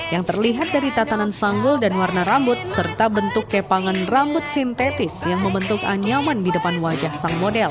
yang terlihat dari tatanan sanggul dan warna rambut serta bentuk kepangan rambut sintetis yang membentuk anyaman di depan wajah sang model